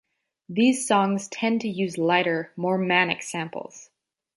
These songs tend to use lighter, more manic samples.